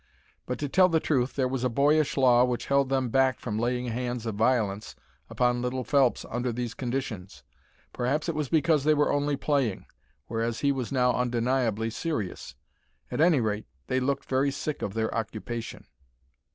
But, to tell the truth, there was a boyish law which held them back from laying hands of violence upon little Phelps under these conditions. Perhaps it was because they were only playing, whereas he was now undeniably serious. At any rate, they looked very sick of their occupation.